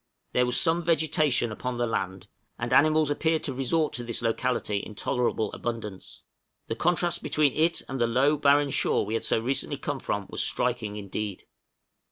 There was some vegetation upon the land, and animals appeared to resort to this locality in tolerable abundance; the contrast between it and the low, barren shore we had so recently come from was striking indeed!